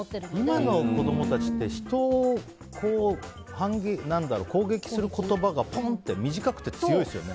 今の子供たちって人を攻撃する言葉がポンって短くて強いですよね。